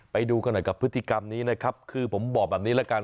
ไปดูกันหน่อยกับพฤติกรรมนี้นะครับคือผมบอกแบบนี้แล้วกัน